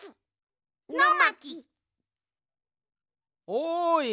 おい！